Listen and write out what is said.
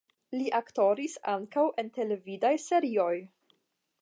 Li aktoris ankaŭ en televidaj serioj.